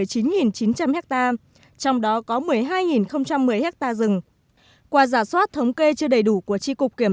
hecta rừng trong đó có một mươi hai một mươi hecta rừng qua giả soát thống kê chưa đầy đủ của tri cục kiểm